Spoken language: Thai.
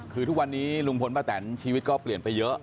คือทุกวันนี้ลุงพลป้าแตนชีวิตก็เปลี่ยนไปเยอะ